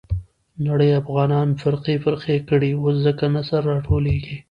نړۍ افغانان فرقې فرقې کړي. اوس ځکه نه سره راټولېږي.